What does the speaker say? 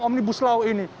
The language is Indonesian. undang omnibus law ini